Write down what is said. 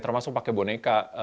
termasuk pakai boneka